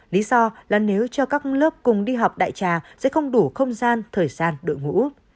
lý do là nếu cho các lớp cùng đi học đại trà sẽ không đủ không gian thời gian đội ngũ